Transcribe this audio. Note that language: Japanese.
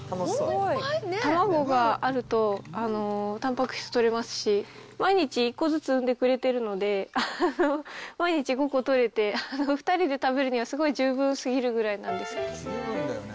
卵があると、たんぱく質とれますし、毎日１個ずつ産んでくれてるので、毎日５個とれて、２人で食べるにはすごい十分すぎるぐらいなんです。